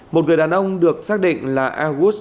một người đàn ông được xác định là agus